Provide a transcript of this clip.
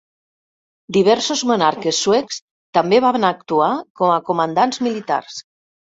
Diversos monarques suecs també van actuar com a comandants militars.